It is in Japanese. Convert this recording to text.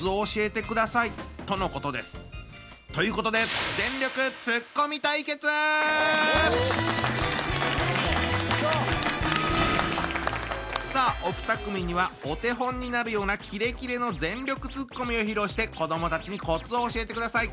番組にお便りが届いています。ということでさあお二組にはお手本になるようなキレキレの全力ツッコミを披露して子どもたちにコツを教えてください。